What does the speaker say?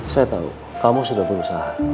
saya tahu kamu sudah berusaha